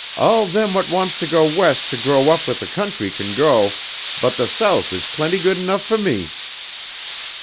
All them whut wants to go West to grow up with the country can go, but the South is plenty good enough fo' me."